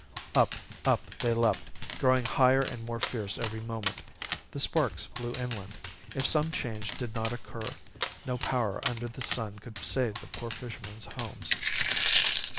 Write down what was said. Up, up, they leaped, growing higher and more fierce every moment. The sparks flew inland. If some change did not occur, no power under the sun could save the poor fishermen's homes.